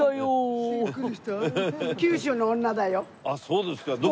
あっそうですか。